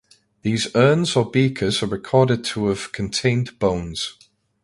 These urns or beakers are recorded to have contained bones.